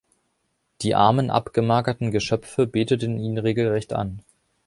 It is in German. Die armen abgemagerten Geschöpfe beteten ihn regelrecht an.